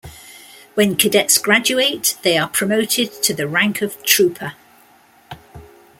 When cadets graduate, they are promoted to the rank of Trooper.